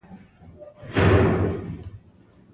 په زر نه سوه اته څلویښت میلادي کال کې د عرب اسراییلو جګړه وشوه.